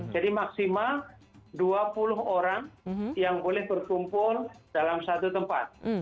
jadi maksimal dua puluh orang yang boleh berkumpul dalam satu tempat